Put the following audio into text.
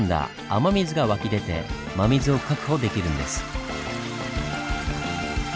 雨水が湧き出て真水を確保できるんです。